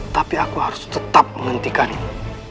tapi aku harus tetap menghentikan itu